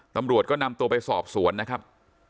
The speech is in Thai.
ตำรวจก็นำตัวไปสอบสวนนะครับ